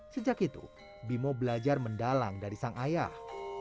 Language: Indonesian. sejak itu bimo belajar mendalang dari sang ayah